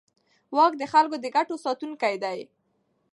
واک د خلکو د ګټو ساتونکی دی.